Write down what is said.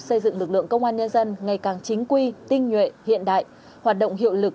xây dựng lực lượng công an nhân dân ngày càng chính quy tinh nhuệ hiện đại hoạt động hiệu lực